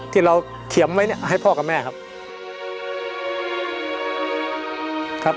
ที่เราเขียนไว้ให้พ่อกับแม่ครับ